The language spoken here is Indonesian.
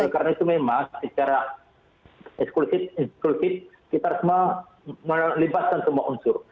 karena itu memang secara eksklusif kita harus melibatkan semua unsur